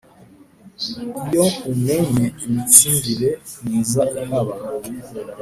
Iyo umenye imitsindire myiza ihaba